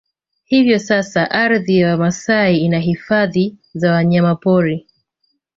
Hivyo sasa ardhi ya Wamasai ina hifadhi za wanyama pori